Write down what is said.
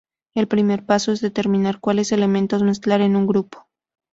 El primer paso es determinar cuales elementos mezclar en un grupo.